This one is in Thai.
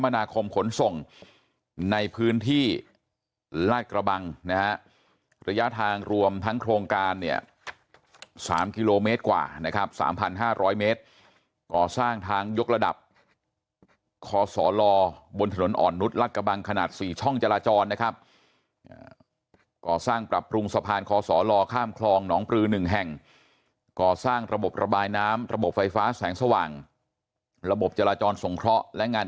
นาคมขนส่งในพื้นที่ลาดกระบังนะฮะระยะทางรวมทั้งโครงการเนี่ย๓กิโลเมตรกว่านะครับ๓๕๐๐เมตรก่อสร้างทางยกระดับคอสลบนถนนอ่อนนุษย์รัฐกระบังขนาด๔ช่องจราจรนะครับก่อสร้างปรับปรุงสะพานคอสอลข้ามคลองหนองปลือ๑แห่งก่อสร้างระบบระบายน้ำระบบไฟฟ้าแสงสว่างระบบจราจรสงเคราะห์และงาน